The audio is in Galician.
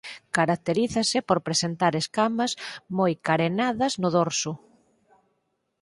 Caracterízase por presentar escamas moi carenadas no dorso.